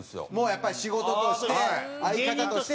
やっぱり仕事として相方として。